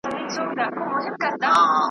دا د یار د سترګو زور دی چې ئې زړه دی رانه وړی